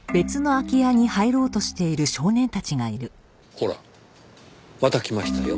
ほらまた来ましたよ。